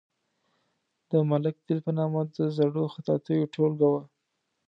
د ملک دل په نامه د زړو خطاطیو ټولګه وه.